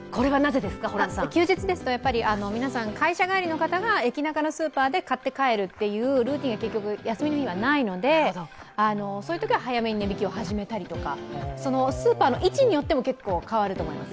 休日ですと皆さん、会社帰りの方が駅ナカのスーパーで買って帰るというルーティーンが結局休みの日はないのでそういうときは早めに値引きを始めたりとかそのスーパーの位置によっても結構、変わると思います。